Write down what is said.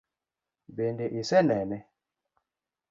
Bende isenene?